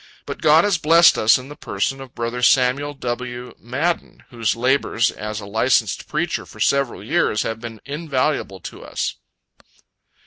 But God has blessed us in the person of brother Samuel W. Madden, whose labors as a licensed preacher for several years have been invaluable to us.